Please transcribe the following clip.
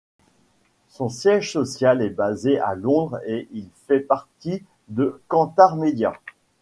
Son siège social est basé à Londres et il fait partie de Kantar Media.